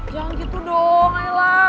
jangan gitu dong ayolah